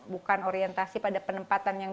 bukan orientasi pada penempatan yang